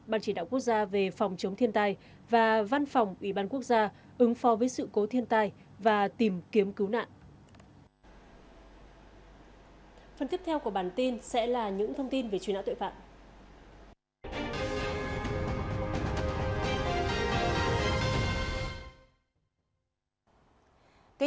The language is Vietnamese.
ban chỉ đạo quốc gia về phòng chống thiên tai và văn phòng ủy ban quốc gia ứng phó với sự cố thiên tai và tìm kiếm cứu nạn